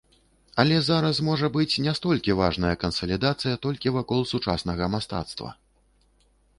Але зараз можа быць не столькі важная кансалідацыя толькі вакол сучаснага мастацтва.